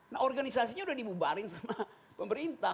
nah organisasinya udah dibubarin sama pemerintah